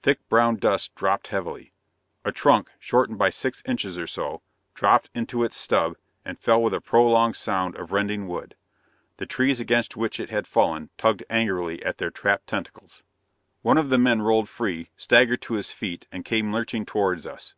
Thick brown dust dropped heavily. A trunk, shortened by six inches or so, dropped into its stub and fell with a prolonged sound of rending wood. The trees against which it had fallen tugged angrily at their trapped tentacles. One of the men rolled free, staggered to his feet, and came lurching towards us.